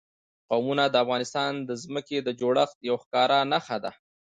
قومونه د افغانستان د ځمکې د جوړښت یوه ښکاره نښه ده.